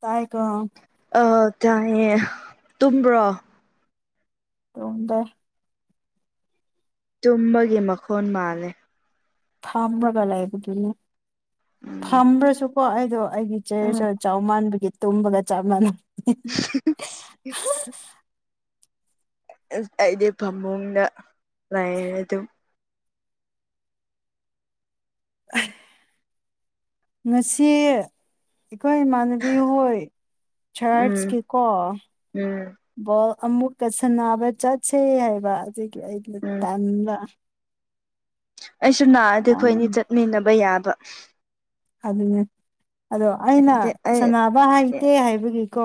ꯇꯥꯏ ꯀꯣ ꯑ ꯀꯥꯏꯦ ꯇꯨꯝꯕ꯭ꯔꯣ ꯇꯣꯝꯗꯦ ꯇꯨꯝꯕꯒꯤ ꯃꯈꯣꯟ ꯃꯥꯜꯂꯦ ꯐꯝꯃꯒ ꯂꯩꯕꯗꯨꯅꯦ ꯎꯝ ꯐꯝꯕ꯭ꯔꯁꯨꯀꯣ ꯑꯩꯗꯣ ꯑꯩꯒꯤ ꯎꯝ ꯆꯩꯔꯁꯑ ꯆꯥꯎ ꯃꯥꯟꯕꯒꯤ ꯇꯨꯝꯕꯒ ꯆꯞ ꯃꯥꯟꯅ [unintelligible] ꯑꯩꯗꯤ ꯐꯃꯨꯡꯗ ꯂꯥꯏꯔꯦ ꯑꯗꯨꯝ ꯉꯁꯤ ꯑꯩꯈꯣꯏ ꯏꯃꯅ ꯕꯤ ꯍꯣꯏ ꯎꯝ ꯆꯔꯠꯁꯀꯤ ꯀꯣ ꯎꯝ ꯕꯣꯜ ꯑꯃꯨꯛꯀꯁꯟꯅꯕ ꯆꯠꯁꯦ ꯍꯥꯏꯕ ꯑꯗꯨꯒꯤ ꯑꯩꯅ ꯎꯝ ꯇꯟꯕ ꯑꯩꯁꯨ ꯅꯥꯑꯗꯤ ꯑꯩꯈꯣꯏ ꯑꯅꯤ ꯇꯟꯕꯒꯤ ꯆꯠꯃꯤꯟꯅꯕ ꯌꯥꯕ ꯑꯗꯨꯅꯦ ꯑꯗꯣ ꯑꯩꯅ ꯑꯗꯤ ꯑꯩ ꯁꯅꯕ ꯍꯩꯇꯦ ꯍꯥꯏꯕꯒꯤꯀꯣ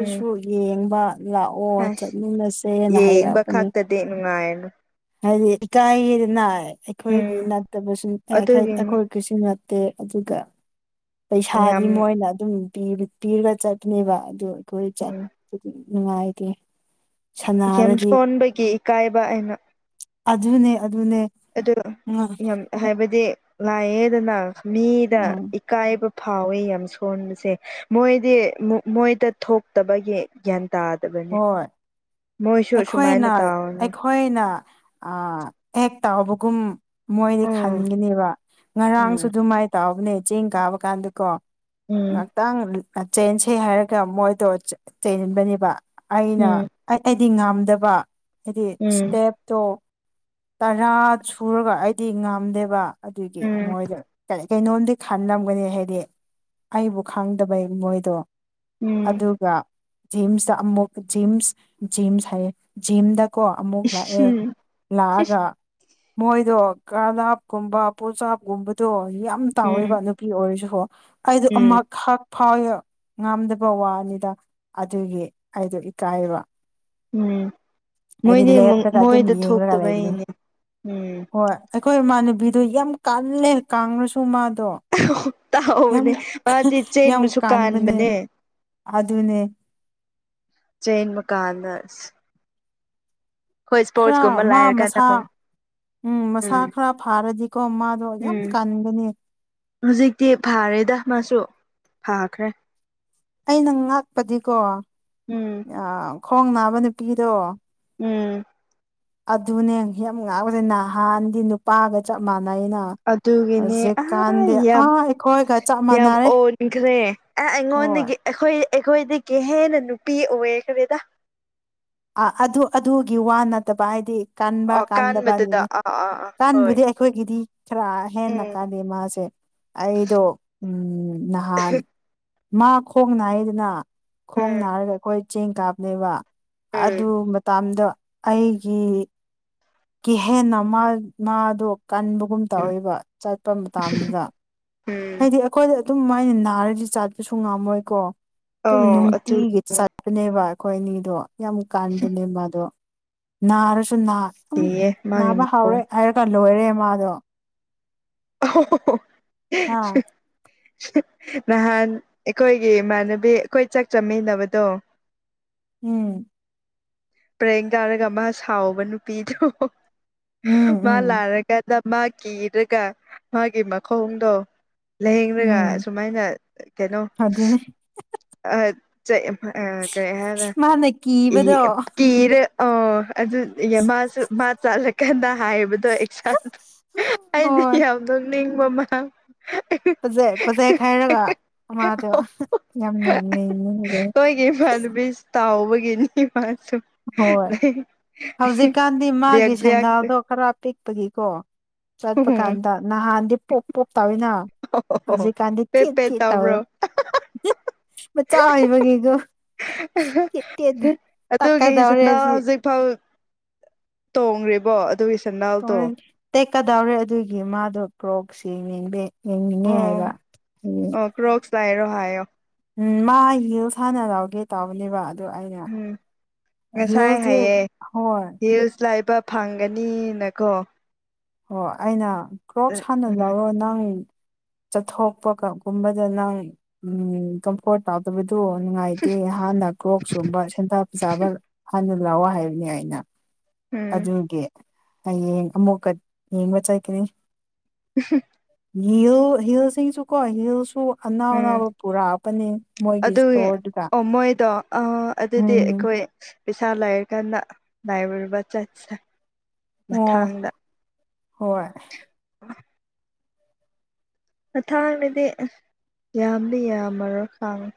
ꯎꯝ ꯌꯦꯡꯕ ꯂꯥꯛꯑꯣ ꯆꯠꯃꯤꯟꯅꯁꯦꯅ ꯍꯥꯏꯔꯛꯄꯅꯤ ꯗꯦꯅꯨꯡꯉꯥꯏꯅ ꯍꯥꯏꯗꯤ ꯏꯀꯥꯏꯒꯤꯗꯅ ꯑꯩꯈꯣꯏꯒꯤ ꯎꯝ ꯅꯠꯇꯕꯁꯨ ꯑꯗꯨꯒꯤꯅꯤ ꯑꯈꯣꯏ ꯀꯩꯁꯨ ꯅꯠꯇꯦ ꯑꯗꯨꯒ ꯄꯩꯁꯥꯗꯤ ꯌꯥꯝ ꯃꯣꯏꯅ ꯑꯗꯨꯝ ꯄꯤꯔꯒ ꯆꯠꯄꯅꯦꯕ ꯑꯗꯨ ꯈꯣꯏꯠ ꯆꯠ ꯎꯝ ꯅꯨꯡꯉꯥꯏꯇꯦ ꯁꯅꯥꯔꯗꯤ ꯌꯝꯁꯣꯟꯕꯒꯤ ꯏꯀꯥꯏꯕ ꯑꯩꯅ ꯑꯗꯨꯅꯦ ꯑꯗꯨꯅꯦ ꯑꯗꯨ ꯎꯝ ꯌꯥꯝ ꯍꯥꯏꯕꯗꯤ ꯂꯥꯏꯌꯦꯗꯅ ꯃꯤꯗ ꯏꯀꯥꯏꯕ ꯐꯥꯎꯋꯤ ꯌꯥꯝ ꯁꯣꯟꯕꯁꯦ ꯃꯣꯏꯗꯤ ꯃꯣꯏꯗ ꯊꯣꯛꯇꯕꯒꯤ ꯒ꯭ꯌꯥꯟ ꯇꯥꯗꯕꯅꯦ ꯍꯣꯏ ꯃꯣꯏꯁꯨ ꯑꯁꯨꯃꯥꯏꯅ ꯇꯥꯑꯣꯅꯦ ꯈꯣꯏꯅ ꯑ ꯍꯦꯛ ꯇꯥꯎꯕꯒꯨꯝ ꯃꯣꯏꯗꯤ ꯎꯝ ꯈꯟꯒꯤꯅꯦꯕ ꯉꯔꯥꯡꯁꯨ ꯎꯝ ꯑꯗꯨꯃꯥꯏ ꯇꯥꯎꯕꯅꯦ ꯆꯦꯡ ꯀꯥꯕ ꯀꯥꯟꯗꯀꯣ ꯎꯝ ꯉꯛꯇꯪ ꯆꯦꯟꯁꯦ ꯍꯥꯏꯔꯒ ꯃꯣꯏꯗꯣ ꯆꯦꯟꯕꯅꯦꯕ ꯑꯩꯅ ꯎꯝ ꯑꯩꯗꯤ ꯉꯥꯝꯗꯕ ꯍꯥꯏꯗꯤ ꯎꯝ ꯏꯁꯇꯦꯞꯇꯣ ꯇꯔꯥ ꯁꯨꯔꯒ ꯑꯩꯗꯤ ꯉꯝꯗꯦꯕ ꯑꯗꯨꯒꯤ ꯎꯝ ꯃꯣꯏꯗ ꯀꯔꯤ ꯀꯩꯅꯣꯝꯗꯤ ꯈꯜꯂꯝꯒꯅꯤ ꯍꯥꯏꯗꯤ ꯑꯩꯕꯨ ꯈꯪꯗꯕꯩ ꯃꯣꯏꯗꯣ ꯎꯝ ꯑꯗꯨꯒ ꯖꯤꯝꯁꯇ ꯑꯃꯨꯛ ꯖꯤꯝꯁ ꯖꯤꯝꯁ ꯍꯥꯏꯌꯦ ꯖꯤꯝꯗ ꯀꯣ ꯑꯃꯨꯛ ꯂꯥꯛꯑꯦ ꯎꯝ ꯂꯥꯛꯑꯒ ꯃꯣꯏꯗꯣ ꯀꯂꯞꯀꯨꯝꯕ ꯄꯣꯁꯥꯞꯀꯨꯝꯕꯗꯣ ꯌꯥꯝ ꯇꯥꯎꯋꯦꯕ ꯎꯝ ꯅꯨꯄꯤ ꯑꯣꯏꯔꯖꯨ ꯍꯣ ꯑꯩꯗꯣ ꯎꯝ ꯑꯃꯛꯈꯛ ꯐꯥꯎꯋꯣ ꯉꯝꯗꯕ ꯋꯥꯅꯤꯗ ꯑꯗꯨꯒꯤ ꯑꯩꯗꯣ ꯏꯀꯥꯏꯕ ꯎꯝ ꯑꯗꯤ ꯃꯣꯏꯗꯤ ꯂꯦꯄꯒ ꯑꯗꯨ ꯃꯣꯏꯗ ꯌꯦꯡꯔ꯭ꯒ ꯂꯩ ꯂꯩꯕꯅꯦ ꯊꯣꯛꯇꯕꯩꯅꯦ ꯎꯝ ꯍꯣꯏ ꯑꯩꯈꯣꯏ ꯏꯃꯥꯟꯅꯕꯤꯗꯣ ꯌꯥꯝ ꯀꯜꯂꯦ ꯀꯡꯉꯁꯨ ꯃꯥꯗꯣ ꯌꯥꯝ ꯇꯥꯎꯕꯅꯦ ꯃꯥꯗꯤ ꯌꯥꯝ ꯆꯦꯟꯕꯁꯨ ꯀꯥꯟꯕꯅꯦ ꯑꯗꯨꯅꯦ ꯆꯦꯟꯕ ꯀꯥꯟꯗ ꯈꯔ ꯏꯁꯄꯣꯔꯠꯁꯀꯨꯝꯕ ꯃꯥ ꯂꯥꯏꯔ ꯀꯥꯟꯗ ꯃꯁꯥ ꯑꯃꯨꯛ ꯎꯝ ꯃꯁꯥ ꯈꯔ ꯐꯥꯔꯗꯤꯀꯣ ꯃꯥꯗꯣ ꯌꯥꯝ ꯎꯝ ꯀꯟꯒꯅꯤ ꯍꯧꯖꯤꯛꯇꯤ ꯐꯥꯔꯦꯗ ꯃꯥꯁꯨ ꯐꯥꯈ꯭ꯔꯦ ꯑꯩꯅ ꯉꯥꯛꯄꯗꯤꯀꯣ ꯎꯝ ꯑ ꯈꯣꯡ ꯅꯥꯕ ꯅꯨꯄꯤꯗꯣ ꯎꯝ ꯑꯗꯨꯅꯦ ꯌꯥꯝ ꯉꯥꯛꯄꯖꯦ ꯅꯍꯥꯟꯗꯤ ꯅꯨꯄꯥꯒ ꯆꯞ ꯃꯥꯟꯅꯩꯩꯅ ꯑꯗꯨꯒꯤꯅꯦ ꯑꯥ ꯌꯥꯝ ꯑꯩꯈꯣꯏꯒ ꯆꯞ ꯌꯥꯝ ꯃꯥꯟꯅꯔꯦ ꯑꯣꯟꯈ꯭ꯔꯦ ꯑꯦ ꯍꯣꯏ ꯑꯩꯉꯣꯟꯗꯒꯤ ꯑꯩꯈꯣꯏ ꯑꯩꯈꯣꯏꯗꯒꯤ ꯍꯦꯟꯅ ꯅꯨꯄꯤ ꯑꯣꯏꯈ꯭ꯔꯦꯗ ꯑ ꯑꯗꯨ ꯑꯗꯨꯒꯤ ꯋꯥ ꯅꯠꯇꯕ ꯍꯥꯏꯗꯤ ꯀꯥꯟꯕ ꯑꯣ ꯀꯥꯟꯗꯕ ꯀꯥꯟꯕꯗꯨꯗ ꯅꯨꯃꯤꯠ ꯑꯥ ꯑꯥ ꯑꯥ ꯍꯣꯏ ꯀꯥꯟꯕꯨꯗꯤ ꯑꯩ ꯑꯩꯈꯣꯏꯒꯤꯗꯤ ꯈꯔ ꯍꯦꯟꯅ ꯎꯝ ꯀꯥꯜꯂꯦ ꯃꯥꯁꯦ ꯑꯩꯗꯣ ꯎꯝ ꯅꯍꯥꯟ ꯃꯥ ꯈꯣꯡ ꯅꯥꯏꯌꯦꯗꯅ ꯈꯣꯡ ꯎꯝ ꯅꯥꯔꯒ ꯑꯩꯈꯣꯏ ꯆꯤꯡ ꯀꯥꯕꯥꯅꯦꯕ ꯎꯝ ꯑꯗꯨ ꯃꯇꯝꯗꯣ ꯑꯩꯒꯤ ꯀꯤꯍꯦꯟꯅ ꯃꯥ ꯃꯥꯗꯣ ꯀꯟꯕꯒꯨꯝ ꯇꯧꯋꯦꯕ ꯆꯠꯄ ꯃꯇꯝꯗꯨꯗ ꯎꯝ ꯍꯥꯏꯗꯤ ꯑꯩꯈꯣꯏꯗ ꯑꯗꯨꯝ ꯃꯥꯏꯅ ꯅꯥꯔꯗꯤ ꯆꯥꯠꯄꯁꯨ ꯉꯝꯃꯣꯏꯀꯣ ꯑꯗꯨꯝ ꯑꯣ ꯑꯗꯨ ꯅꯨꯡꯇꯤꯒꯤ ꯆꯠ ꯑꯗꯨꯅꯦꯕ ꯑꯩꯈꯣꯏ ꯑꯅꯤꯗꯣ ꯌꯥꯝ ꯀꯥꯟꯕꯅꯦꯕ ꯑꯗꯣ ꯅꯥꯔꯁꯨ ꯅꯥ ꯎꯝ ꯌꯦ ꯃꯥꯒꯤ ꯅꯥꯕ ꯍꯧꯔꯦ ꯃꯑꯣꯡ ꯍꯥꯏꯔꯒ ꯂꯣꯏꯔꯦ ꯃꯥꯗꯣ ꯑꯣ ꯍꯥ [unintelligible] ꯅꯍꯥꯟ ꯑꯩꯈꯣꯏꯒꯤ ꯏꯃꯥꯟꯅꯕꯤ ꯑꯩꯈꯣꯏ ꯆꯥꯛ ꯆꯃꯤꯟꯅꯕꯗꯣ ꯎꯝ ꯄ꯭ꯔꯦꯡ ꯀꯥꯔꯒ ꯃꯥ ꯁꯥꯎꯕ ꯅꯨꯄꯤꯗꯣ ꯎꯝ ꯃꯥ ꯎꯝ ꯂꯥꯔꯥꯒ ꯗ ꯃꯥ ꯀꯤꯗ꯭ꯔꯒ ꯃꯥꯒꯤ ꯃꯈꯣꯡꯗꯣ ꯂꯥꯏꯌꯦꯡꯔꯥꯒ ꯎꯝ ꯁꯨꯃꯥꯏꯅ ꯀꯩꯅꯣ ꯑꯗꯨꯅꯦ [unintelligible] ꯑꯣ ꯃꯥꯅ ꯀꯤꯕꯗꯣ ꯑꯗꯨ ꯌꯦꯡ ꯃꯥꯁꯨ ꯃꯥ ꯆꯥꯔꯥꯀꯥꯟꯗ ꯍꯥꯏꯕ ꯑꯦꯛꯁꯥ ꯑꯩꯗꯤ ꯍꯣꯏ ꯌꯥꯝ ꯅꯣꯛꯅꯤꯡꯕ ꯃꯥ ꯗꯣ ꯐꯖꯩ ꯐꯖꯩ ꯈꯥꯏꯔꯒ ꯃꯥꯥꯗꯣ ꯑꯩꯈꯣꯏꯒꯤ ꯌꯥꯝ ꯅꯝꯃꯦꯌꯦ ꯑꯩ ꯑꯩꯈꯣꯏꯒꯤ ꯏꯨꯃꯟꯅꯕꯤꯁ ꯇꯥꯥꯎꯕꯒꯅꯤ ꯃꯁꯨ ꯍꯣꯏ ꯍꯧꯖꯤꯛꯀꯥꯟꯗꯤ ꯕ꯭ꯂꯦꯛ ꯃꯥꯒꯤ ꯕ꯭ꯂꯦꯛ ꯁꯦꯟꯗꯥꯜꯗꯣ ꯈꯔ ꯄꯤꯛꯄꯒꯤꯀꯣ ꯎꯝ ꯆꯠꯄ ꯀꯥꯟꯗ ꯅꯍꯥꯟꯗꯤ ꯄꯣꯞ ꯄꯣꯞ ꯇꯧꯋꯤꯅ ꯑꯣ ꯍꯧꯖꯤꯛꯀꯥꯟꯗꯤ ꯄꯦꯠ ꯊꯦꯠ ꯄꯦꯠ ꯊꯦꯠ ꯇꯧꯋꯦ ꯇꯧꯕ꯭ꯔꯣ ꯃꯆꯥ ꯑꯣꯏꯕꯒꯤꯀꯣ ꯑꯥꯍꯥ ꯊꯦꯠ ꯊꯦꯠ ꯑꯗꯨꯒꯤ ꯇꯛꯀꯗꯧꯔꯦ ꯏꯁꯣꯟꯗ ꯑꯁꯤ ꯍꯧꯖꯤꯛ [unintelligible] ꯇꯦꯛꯀꯗꯧꯔꯦ ꯑꯗꯨꯒꯤ ꯃꯥꯗꯣ ꯀ꯭ꯔꯣꯞꯁ ꯌꯦꯡꯅꯤꯡꯗꯦ ꯌꯦꯡꯅꯤꯡꯉꯦ ꯍꯥꯏꯕ ꯎꯝ ꯀ꯭ꯔꯣꯞꯁ ꯂꯩꯔꯣ ꯍꯥꯏꯌꯣ ꯎꯝ ꯍꯤꯜꯁ ꯍꯟꯅꯥ ꯂꯧꯒꯦ ꯇꯧꯕꯅꯦꯕ ꯑꯩꯅ ꯎꯝ ꯉꯁꯥꯏ ꯍꯤꯜꯁꯁꯦ ꯍꯥꯏꯌꯦ ꯍꯣꯏ ꯍꯤꯜꯁ ꯂꯩꯕ ꯐꯪꯒꯅꯤꯅꯀꯣ ꯑꯣ ꯑꯩꯅ ꯀ꯭ꯔꯣꯞꯁ ꯍꯥꯟꯅ ꯎꯝ ꯂꯧꯔꯣ ꯅꯪ ꯆꯠꯊꯣꯛꯄ ꯀꯥ ꯒꯨꯝꯕꯗ ꯅꯪ ꯎꯝ ꯀꯝ ꯄꯣꯠ ꯇꯧꯗꯕꯗꯨ ꯅꯨꯡꯉꯥꯏꯇꯦ ꯍꯥꯟꯅ ꯀ꯭ꯔꯣꯞꯁ ꯌꯣꯟꯕ ꯁꯦꯟꯇꯔ ꯐꯥꯖꯕ ꯍꯟꯅ ꯂꯥꯎꯑꯣ ꯍꯥꯏꯕꯅꯦ ꯑꯩꯅ ꯎꯝ ꯑꯗꯨꯒꯤ ꯍꯌꯦꯡ ꯑꯃꯨꯛꯀꯥ ꯌꯦꯡꯕ ꯆꯠꯀꯅꯤ [unintelligible] ꯌꯤꯜ ꯍꯤꯜꯁꯤꯁꯨꯀꯣ ꯍꯤꯜꯁꯨ ꯑꯅꯥꯎ ꯎꯝ ꯑꯅꯥꯎꯕ ꯄꯨꯔꯛꯑꯕꯅꯦ ꯃꯣꯏꯒꯤ ꯑꯗꯨꯒꯤ ꯏꯁꯇꯣꯔꯗꯨꯗ ꯑꯣ ꯃꯣꯏꯗꯣ ꯑꯥ ꯑꯗꯨꯗꯤ ꯎꯝ ꯑꯩꯈꯣꯏ ꯄꯩꯁꯥ ꯂꯩꯥꯔ ꯀꯥꯟꯗ [unintelligible] ꯆꯠꯁꯦ ꯑꯣ ꯃꯊꯥꯡꯗ ꯍꯣꯏ [inaudible] ꯃꯊꯪꯡꯗꯗꯤ ꯌꯥꯝꯗꯤ ꯌꯥꯝꯃꯔꯣꯏ ꯈꯪꯡ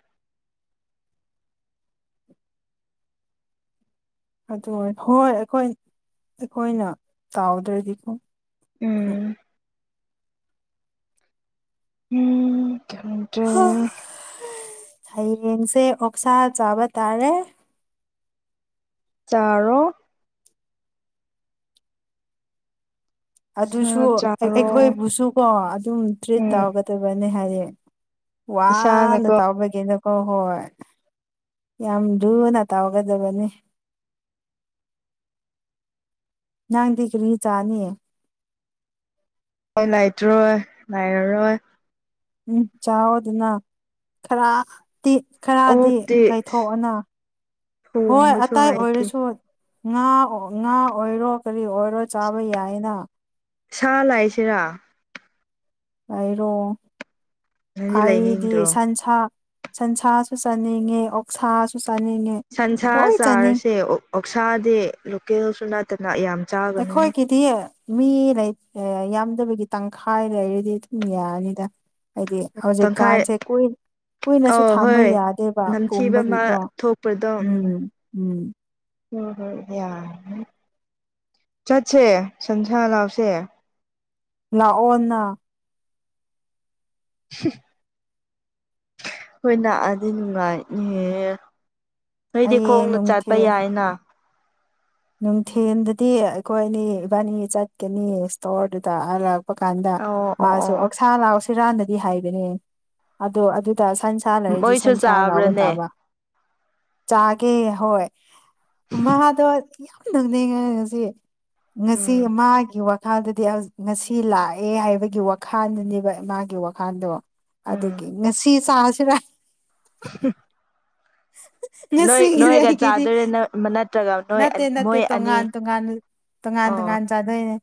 ꯑꯗꯨ ꯍꯣꯏ ꯑꯩꯈꯣꯏ ꯑꯩꯈꯣꯏꯅ ꯇꯥꯎꯗ꯭ꯔꯥꯗꯤꯀꯣ ꯎꯝ ꯎꯝ ꯈꯪꯗ꯭ꯔꯦ ꯍꯌꯦꯡꯁꯦ ꯑꯣꯛꯁꯥ ꯆꯥꯕ ꯇꯥꯔꯦ ꯆꯥꯔꯣ ꯁꯥ ꯑꯗꯨꯁꯨ ꯑꯩ ꯆꯥꯔꯣ ꯑꯩꯈꯣꯏꯕꯨꯁꯨ ꯀꯣ ꯑꯗꯨꯝ ꯇ꯭ꯔꯤꯠ ꯎꯝ ꯇꯧꯒꯗꯕꯅꯤ ꯍꯥꯏꯌꯦ ꯋꯥꯅ ꯏꯁꯥꯅꯀꯣ ꯇꯧꯕꯒꯤꯅꯨ ꯍꯣ ꯍꯣꯏ ꯌꯥꯝ ꯂꯨꯅ ꯇꯧꯒꯗꯕꯅꯤ ꯅꯪꯗꯤ ꯀꯔꯤ ꯆꯥꯅꯤ [unintelligible] ꯅꯥꯏꯔꯔꯣꯏ ꯎꯝ ꯆꯥꯎꯑꯣꯗꯅ ꯈꯔ ꯇꯤ ꯈꯔꯗꯤ ꯑꯣꯛꯇꯤ ꯀꯥꯏꯊꯣꯛꯑꯣꯅ ꯍꯣꯏ ꯊꯣꯡꯕꯁꯨ ꯑꯇꯥꯏ ꯍꯩꯇꯦ ꯑꯣꯏꯔꯁꯨ ꯉꯥ ꯉꯥ ꯑꯣꯏꯔꯣ ꯀꯔꯤ ꯑꯣꯏꯔꯣ ꯆꯥꯕ ꯌꯥꯏꯌꯦꯅ ꯁꯥ ꯂꯥꯏꯁꯤꯔꯥ ꯂꯩꯔꯣ ꯅꯪꯗꯤ ꯑꯩꯗꯤ ꯂꯩꯅꯤꯡꯗ꯭ꯔꯣ ꯁꯟꯁꯥ ꯁꯟꯁꯥꯁꯨ ꯆꯥꯅꯤꯡꯉꯦ ꯑꯣꯛꯁꯥꯁꯨ ꯆꯥꯅꯤꯡꯉꯦ ꯁꯟꯁꯥ ꯂꯣꯏ ꯆꯥꯅꯤꯡ ꯆꯥꯔꯁꯦ ꯑꯣꯛꯁꯥꯗꯤ ꯂꯣꯀꯦꯜꯁꯨ ꯅꯠꯇꯅ ꯌꯥꯝ ꯆꯥꯒꯅꯨꯍꯦ ꯇꯤꯌꯦ ꯃꯤ ꯂꯩ ꯑꯥ ꯌꯥꯝꯗꯕꯒꯤ ꯇꯪꯈꯥꯏ ꯂꯩꯔꯗꯤ ꯑꯗꯨꯝ ꯌꯥꯔꯅꯤꯗ ꯍꯥꯏꯗꯤ ꯇꯪꯈꯥꯏ ꯍꯧꯖꯤꯛꯀꯥꯟꯁꯦ ꯀꯨꯏ ꯀꯨꯏꯅꯁꯨ ꯑꯧ ꯊꯥꯝꯕ ꯍꯣꯏ ꯌꯥꯗꯦꯕ ꯅꯝꯊꯤꯕ ꯑꯃ ꯄꯨꯝꯕꯒꯤꯀꯣ ꯊꯣꯛꯄꯗꯣ ꯎꯝ ꯎꯝ ꯍꯣꯏ ꯍꯣꯏ ꯌꯥꯔꯅꯤ ꯆꯠꯁꯦ ꯁꯟꯁꯥ ꯂꯥꯎꯁꯦ ꯂꯥꯛꯑꯣꯅ [unintelligible] ꯍꯣꯏ ꯅꯥꯛꯑꯗꯤ ꯅꯨꯡꯉꯥꯏꯅꯤꯍꯦ ꯅꯣꯏꯗꯤ ꯍꯌꯦꯡ ꯈꯣꯡꯅ ꯆꯠꯄ ꯌꯥꯏꯅ ꯅꯨꯡꯊꯦꯝꯗꯗꯤ ꯑꯩꯈꯣꯏ ꯑꯅꯤ ꯏꯕꯥꯅꯤ ꯆꯠꯀꯥꯅꯤ ꯏꯁꯇꯣꯔꯗꯨꯗ ꯑꯔꯥꯞ ꯄꯀꯥꯟꯗ ꯑꯣ ꯑꯣ ꯃꯥꯁꯨ ꯑꯣ ꯑꯣ ꯑꯣꯛꯁꯥ ꯂꯥꯎꯁꯤꯔꯥꯅꯗꯤ ꯍꯥꯏꯕꯅꯦ ꯑꯗꯣ ꯑꯗꯨꯗ ꯁꯟ ꯁꯥ ꯂꯩꯔꯗꯤ ꯃꯣꯏꯁꯨ ꯁꯟꯁꯥ ꯂꯥꯎꯕ ꯆꯥꯕ꯭ꯔꯥꯅꯦ ꯇꯥꯕ ꯆꯥꯒꯦ ꯍꯣꯏ ꯃꯥꯗꯣ ꯌꯥꯝ ꯅꯣꯅꯤꯉꯦ ꯉꯁꯤ ꯉꯁꯤ ꯎꯝ ꯃꯥꯒꯤ ꯋꯥ ꯥꯈꯜꯗꯤ ꯑꯁ ꯉꯁꯤ ꯂꯥꯛꯑꯦ ꯍꯥꯏꯕꯒꯤ ꯋꯥꯈꯜꯗꯨꯅꯦꯕ ꯃꯥꯒꯤ ꯋꯥꯈꯜꯗꯣ ꯎꯝ ꯑꯗꯨꯒꯤ ꯉꯁꯤ ꯆꯥꯁꯤꯔꯥ [inaudible] ꯅꯣꯏ ꯉꯁꯤꯒꯤꯗꯤ ꯅꯣꯏꯒ ꯑꯩꯒꯤꯗꯤ ꯆꯥꯗꯣꯏꯔ ꯅꯠꯇ꯭ꯔꯒ ꯅꯣꯏ ꯅꯠꯇꯦ ꯅꯠꯇꯦ ꯃꯣꯏ ꯑꯅꯤ ꯇꯣꯉꯥꯟ ꯇꯣꯉꯥꯟ ꯇꯣꯉꯥꯟ ꯑꯣ ꯇꯣꯉꯥꯟ ꯆꯥꯗꯣꯏꯅꯦ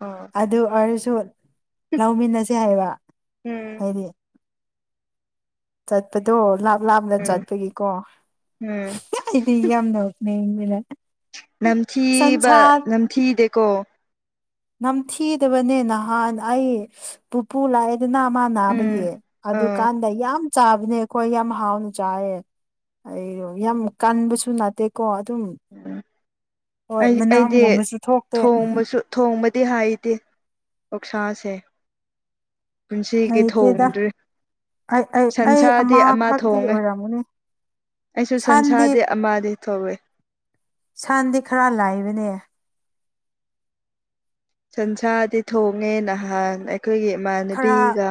ꯑꯣ ꯑꯗꯨ ꯑꯣꯏꯔꯁꯨ ꯂꯧꯃꯤꯟꯅꯁꯦ ꯍꯥꯏꯕ ꯎꯝ ꯍꯥꯏꯗꯤ ꯆꯠꯄꯗꯣ ꯂꯥꯞ ꯂꯥꯞꯅ ꯎꯝ ꯆꯠꯄꯒꯤꯀꯣ ꯎꯝ ꯑꯩꯗꯤ ꯌꯥꯝ ꯅꯣꯛꯅꯤꯡꯕꯤꯔꯥ ꯅꯝꯊꯤꯕ ꯅꯝꯊꯤꯗꯦꯀꯣ ꯅꯝꯊꯤꯗꯕꯅꯦ ꯅꯍꯥꯟ ꯑꯩ ꯄꯨꯄꯨ ꯂꯥꯛꯑꯦ ꯑꯗꯨꯅ ꯑꯃ ꯅꯥꯕꯒꯤ ꯎꯝ ꯑꯥ ꯑꯗꯨꯀꯥꯟꯗ ꯌꯥꯝ ꯆꯥꯕꯅꯦ ꯑꯩꯈꯣꯏ ꯌꯥꯝ ꯍꯥꯎꯅ ꯆꯥꯏꯌꯦ ꯑꯩ ꯌꯥꯝ ꯀꯟꯕꯁꯨ ꯅꯥꯠꯇꯦꯀꯣ ꯑꯗꯨꯝ ꯎꯝ ꯍꯣꯏ ꯑꯩ ꯑꯩꯗꯤ ꯃꯅꯥꯝꯒꯨꯝꯕꯁꯨ ꯊꯣꯛꯇꯦ ꯊꯣꯡꯕꯁꯨ ꯊꯣꯡꯕꯗꯤ ꯍꯥꯏꯗꯦ ꯑꯣꯛꯁꯥꯁꯦ ꯄꯨꯟꯁꯤꯒꯤ ꯍꯩꯇꯦꯗ ꯊꯣꯡꯗ꯭ꯔꯤ ꯑꯩ ꯑꯩ ꯑꯩ ꯑꯃ ꯁꯟꯁꯥꯗꯤ ꯈꯛꯇꯤ ꯊꯣꯡꯉꯦ ꯑꯣꯏꯔꯝꯒꯥꯅꯤ ꯑꯩꯁꯨ ꯁꯟꯁꯥꯗꯤ ꯑꯃꯗꯤ ꯊꯧꯋꯦ ꯁꯟꯗꯤ ꯈꯔ ꯂꯥꯏꯕꯅꯦ ꯁꯟꯁꯥꯗꯤ ꯊꯣꯡꯉꯦ ꯅꯍꯥꯟ ꯑꯩꯈꯣꯏꯒꯤ ꯏꯃꯥꯟꯅꯕꯤꯒ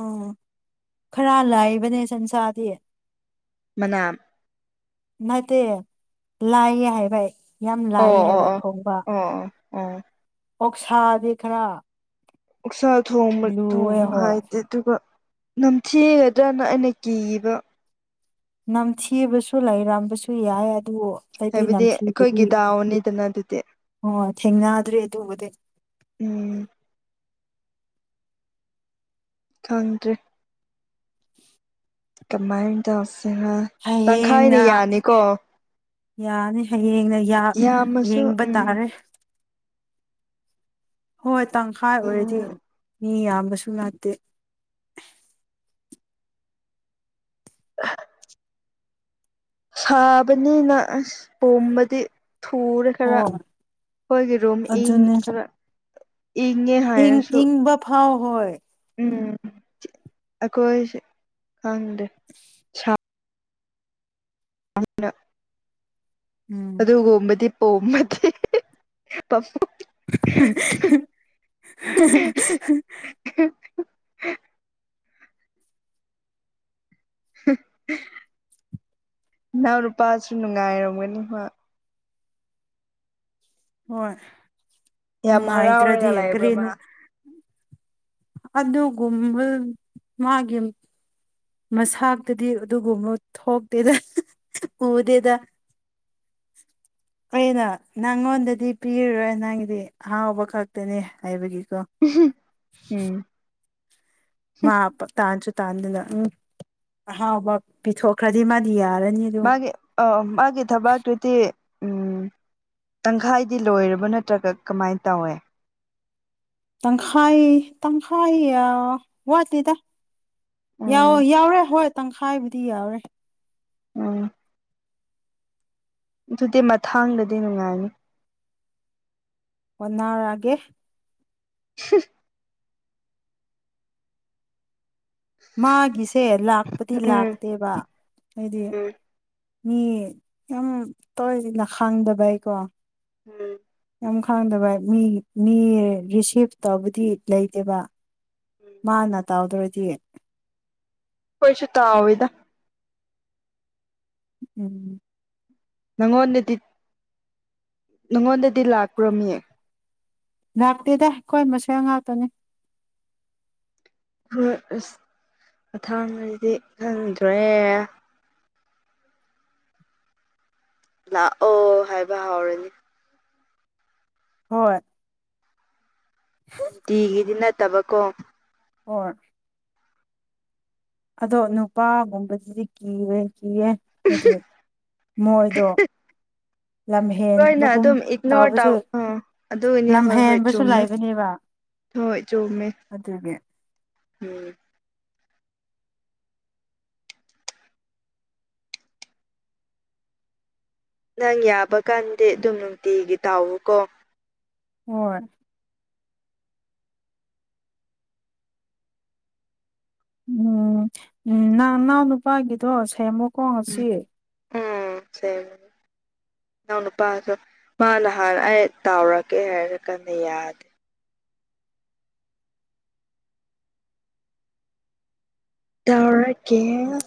ꯑꯣ ꯈꯔ ꯂꯥꯏꯕꯅꯦ ꯁꯟꯁꯥꯗꯤ ꯃꯥꯅꯝ ꯅꯠꯇꯦ ꯂꯥꯏꯌꯦ ꯍꯥꯏꯕ ꯌꯥꯝ ꯑꯣ ꯂꯥꯏꯌꯦ ꯑꯣ ꯑꯣ ꯍꯥꯏꯕ ꯑꯣ ꯊꯣꯡꯕ ꯑꯣ ꯑꯣ ꯑꯣꯛꯁꯥꯗꯤ ꯈꯔ ꯑꯣꯁꯥ ꯊꯣꯡꯕ ꯊꯣꯡ ꯂꯨꯋꯦ ꯍꯣꯏ ꯍꯥꯏꯗꯤ ꯑꯗꯨꯒ ꯅꯝꯊꯤꯒꯗ꯭ꯔꯅ ꯑꯩꯅ ꯀꯤꯕ ꯅꯝꯊꯤꯕꯁꯨ ꯂꯩꯔꯝꯕꯁꯨ ꯌꯥꯏ ꯑꯗꯨ ꯑꯩꯗꯤ ꯍꯥꯏꯕꯗꯤ ꯑꯩꯈꯣꯏꯒꯤ ꯗꯥꯎꯅꯤꯗꯅ ꯑꯗꯨꯗꯤ ꯍꯣꯏ ꯊꯦꯡꯅꯗ꯭ꯔꯦ ꯑꯗꯨꯕꯨꯗꯤ ꯎꯝ ꯊꯟꯗ꯭ꯔꯦ ꯀꯃꯥꯏꯅ ꯇꯧꯁꯤꯅ ꯇꯪꯈꯥꯏꯅ ꯍꯌꯦꯡꯅ ꯌꯥꯅꯤꯀꯣ ꯌꯥꯅꯤ ꯍꯌꯦꯡꯅ ꯌꯥ ꯌꯥꯝꯃꯁꯨ ꯌꯦꯡꯕ ꯎꯝ ꯇꯥꯔꯦ ꯍꯣꯏ ꯇꯪꯈꯥꯏ ꯑꯣꯏꯔꯗꯤ ꯎꯝ ꯃꯤ ꯌꯥꯝꯕꯁꯨ ꯅꯠꯇꯦ [inaudible] ꯁꯥꯕꯅꯤꯅ ꯑꯁ ꯄꯣꯝꯕꯗꯤ ꯊꯨꯔꯦ ꯈꯔ ꯑꯣ ꯑꯩꯈꯣꯏꯒꯤ ꯔꯨꯝ ꯏꯪ ꯑꯗꯨꯅꯦ ꯈꯔ ꯏꯪꯉꯦ ꯏꯪ ꯍꯥꯏꯔꯁꯨ ꯏꯪꯕ ꯐꯥꯎ ꯍꯣꯏ ꯎꯝ ꯑꯩꯈꯣꯏꯁꯨ ꯈꯪꯗꯦ [inaudible] ꯁꯥꯅ [inaudible] ꯎꯝ ꯑꯗꯨꯒꯨꯝꯕꯗꯤ ꯄꯣꯝꯕꯗꯤ [unintelligible] ꯅꯅꯥꯎ ꯅꯨꯄꯥꯁꯨ ꯅꯨꯡꯉꯥꯏꯔꯝꯒꯅꯤ ꯍꯣꯏ ꯌꯥꯝ ꯅꯨꯡꯉꯥꯏꯇ꯭ꯔꯗꯤ ꯍꯔꯥꯎꯔꯒ ꯂꯩꯕ꯭ꯔꯥ ꯃꯥ ꯀꯔꯤꯅꯣ ꯑꯗꯨꯒꯨꯝꯕꯥ ꯃꯥꯒꯤ ꯃꯁꯛꯇꯨꯗꯤ ꯑꯗꯨꯒꯨꯝꯕ ꯊꯣꯛꯇꯦꯗ ꯎꯗꯦꯗ ꯑꯩꯅ ꯅꯪꯉꯣꯟꯗꯗꯤ ꯄꯤꯔꯨꯔꯣꯏ ꯅꯪꯒꯤꯗꯤ ꯑꯍꯥꯎꯕ ꯈꯛꯇꯅꯦ ꯍꯥꯏꯕꯒꯤꯀꯣ [unintelligible] ꯎꯝ ꯃꯥ ꯇꯥꯟꯁꯨ ꯇꯥꯟꯗꯅ ꯎꯝ ꯑꯍꯥꯎꯕ ꯄꯤꯊꯣꯛꯈ꯭ꯔꯗꯤ ꯃꯥꯗꯤ ꯌꯥꯔꯅꯤ ꯑꯗꯨ ꯃꯥꯒꯤ ꯑ ꯃꯥꯒꯤ ꯊꯕꯥꯥꯛꯀꯤꯗꯤ ꯎꯝ ꯇꯪꯈꯥꯏꯗꯤ ꯂꯣꯏꯔꯕ ꯅꯠꯇ꯭ꯔꯒ ꯀꯥ ꯀꯃꯥꯏ ꯇꯧꯋꯦ ꯇꯪꯈꯥꯏ ꯇꯪꯈꯥꯏ ꯑꯥ ꯋꯥꯇꯦꯗ ꯌꯥꯎ ꯎꯝ ꯌꯥꯎꯔꯦ ꯍꯣꯏ ꯇꯪꯈꯥꯏꯕꯨꯗꯤ ꯌꯥꯎꯔꯦ ꯎꯝ ꯑꯗꯨꯗꯤ ꯃꯊꯥꯡꯗꯗꯤ ꯅꯨꯡꯉꯥꯏꯅꯤ ꯍꯣꯅꯔꯒꯦ [inaudible] ꯃꯥꯒꯤꯁꯦ ꯂꯥꯛꯄꯗꯤ ꯎꯝ ꯂꯥꯛꯇꯦꯕ ꯍꯥꯏꯗꯤ ꯎꯝ ꯃꯤ ꯌꯥꯝ [unintelligible] ꯈꯥꯡꯗꯕꯩꯀꯣ ꯎꯝ ꯌꯥꯝ ꯈꯥꯡꯗꯕ ꯃꯤ ꯃꯤ ꯔꯤꯁꯤꯞ ꯇꯧꯕꯗꯤ ꯂꯩꯇꯦꯕ ꯃꯥꯅ ꯇꯥꯎꯗꯔꯗꯤ ꯀꯣꯏꯁꯨ ꯇꯥꯥꯎꯋꯤꯗ ꯎꯝ ꯅꯪꯉꯣꯟꯗꯗꯤ ꯅꯪꯉꯣꯟꯗꯗꯤ ꯂꯥꯛꯄ꯭ꯔꯣ ꯃꯤ ꯂꯥꯛꯇꯦꯗ ꯀꯣꯟꯕꯁꯦ ꯉꯥꯎꯇꯅꯤ ꯍꯣꯏ ꯑꯁ ꯃꯊꯥꯡꯗꯩꯗꯤ ꯈꯪꯗ꯭ꯔꯦ ꯂꯥꯛꯑꯣ ꯍꯥꯏꯕ ꯍꯥꯎꯔꯅꯤ ꯍꯣꯏ ꯇꯤꯒꯤꯗꯤ ꯅꯠꯇꯕ ꯀꯣ ꯍꯣꯏ ꯑꯗꯣ ꯅꯨꯄꯥꯒꯨꯝꯕꯁꯤꯗꯤ ꯀꯤꯋꯦ ꯀꯤꯌꯦ ꯑꯗꯨ ꯃꯣꯏꯗꯣ ꯂꯝ ꯂꯣꯏꯅ ꯍꯦꯟꯕꯒꯨꯝ ꯑꯗꯨꯝ ꯏꯒꯅꯣꯔ ꯇꯕꯁꯨ ꯇꯧ ꯑꯥ ꯑꯗꯨꯒꯤꯅꯦ ꯂꯝ ꯍꯣꯏ ꯍꯣꯏ ꯍꯦꯟꯕꯁꯨ ꯆꯨꯝꯃꯦ ꯂꯩꯕꯅꯦꯕ ꯍꯣꯏ ꯆꯨꯝꯃꯦ ꯑꯗꯨꯒꯤ ꯅꯪ ꯌꯥꯕ ꯀꯥꯟꯗꯤ ꯑꯗꯨꯝ ꯅꯨꯡꯇꯤꯒꯤ ꯇꯥꯎ ꯎꯀꯣ ꯍꯣꯏ ꯎꯝ ꯎꯝ ꯅꯪ ꯅꯥꯎ ꯅꯨꯄꯥꯒꯤꯗꯣ ꯁꯦꯝꯃꯣ ꯈꯣꯡꯉꯁꯤ ꯎꯝ ꯁꯦ ꯅꯅꯥꯎ ꯅꯨꯄꯥꯁꯨ ꯃꯥ ꯅꯍꯥꯟꯅ ꯑꯩ ꯇꯥꯎꯔꯛꯀꯦ ꯍꯥꯏꯔ ꯀꯥꯟꯗ ꯌꯥꯗꯦ ꯇꯧꯔꯒꯦ